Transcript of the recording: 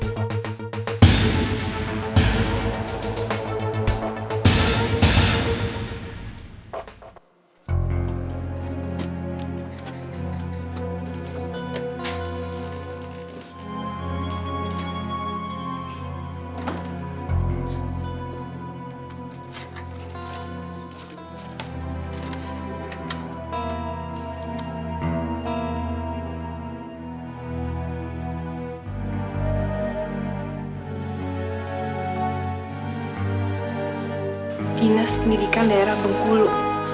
dinas pendidikan daerah bengkulu